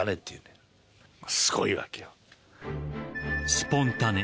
［「スポンタネ」